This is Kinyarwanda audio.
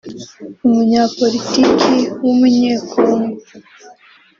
umunyapolitiki w’umunyekongo